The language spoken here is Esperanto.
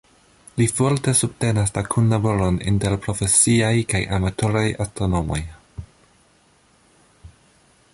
Li forte subtenas la kunlaboron inter profesiaj kaj amatoraj astronomoj.